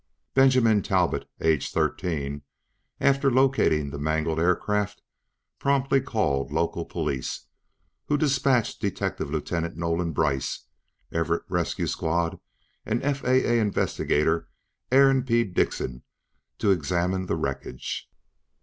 Benjamin Talbot, aged 13, after locating the mangled aircraft, promptly called local police who dispatched Detective Lieutenant Nolan Brice, Everett Rescue Squad and FAA investigator Arron P. Dickson to examine the wreckage.